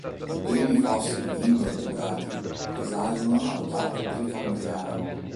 I primi fossili di invertebrati risalgono al tardo Precambriano.